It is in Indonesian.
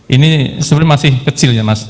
ini sebenarnya masih kecil ya mas